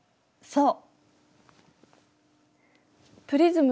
そう。